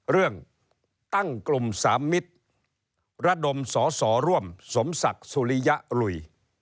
เรื่องตั้งกลุ่มสามมิตรระดมสสร่วมสมศักดิ์สุริยะลุย